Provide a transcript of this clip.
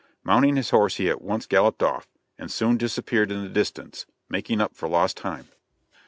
Mounting his horse he at once galloped off, and soon disappeared in the distance, making up for lost time.